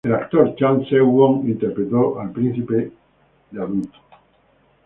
El actor Cha Seung-won interpretó al príncipe de adulto.